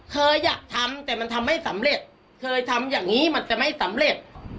เคยอยากทำแต่มันทำไม่สำเร็จเคยทำอย่างนี้มันจะไม่สำเร็จ